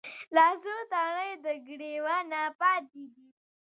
لا څــــو تڼۍ د ګــــــرېوانه پاتـې دي